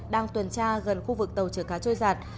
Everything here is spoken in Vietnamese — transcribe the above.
đang tuần tra gần khu vực tàu chở cá trôi giạt